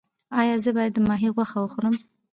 ایا زه باید د ماهي غوښه وخورم؟